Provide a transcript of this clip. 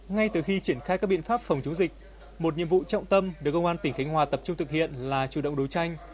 ngay từ khi triển khai các biện pháp phòng chống dịch một nhiệm vụ trọng tâm được công an tỉnh khánh hòa tập trung thực hiện là chủ động đấu tranh